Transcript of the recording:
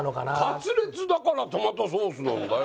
カツレツだからトマトソースなんだよ！